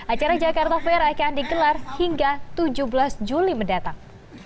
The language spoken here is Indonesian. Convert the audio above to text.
acara jakarta fair akan digelar hingga tujuh belas juli mendatang